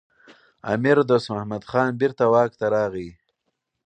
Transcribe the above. امیر دوست محمد خان بیرته واک ته راغی.